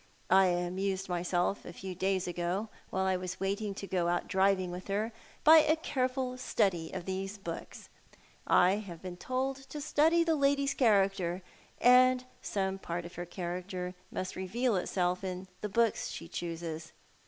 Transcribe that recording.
I amused myself a few days ago, while I was waiting to go out driving with her, by a careful study of these books. I have been told to study the lady's character, and some part of her character must reveal itself in the books she chooses.